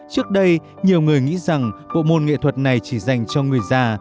trước đây nhiều người nghĩ rằng bộ môn nghệ thuật này chỉ dành cho người già